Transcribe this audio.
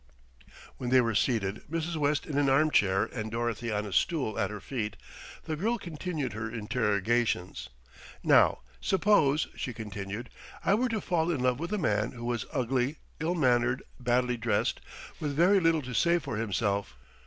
When they were seated, Mrs. West in an armchair and Dorothy on a stool at her feet, the girl continued her interrogations. "Now suppose," she continued, "I were to fall in love with a man who was ugly, ill mannered, badly dressed, with very little to say for himself.